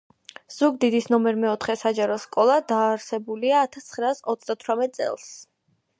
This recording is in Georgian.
ზუგდიდის ნომერ მეოთხე საჯარო სკოლა დაარსებულია ათას ცხრაას ოცდათვრამეტ წელს.